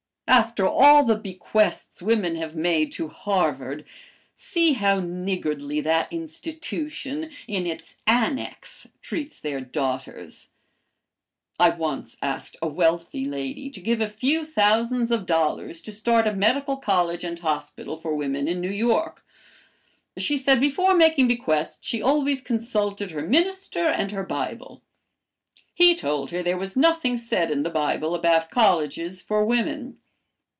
After all the bequests women have made to Harvard see how niggardly that institution, in its 'annex,' treats their daughters. I once asked a wealthy lady to give a few thousands of dollars to start a medical college and hospital for women in New York. She said before making bequests she always consulted her minister and her Bible. He told her there was nothing said in the Bible about colleges for women.